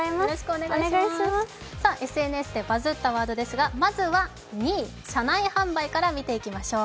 ＳＮＳでバズったワードですがまずは２位、車内販売から見ていきましょう。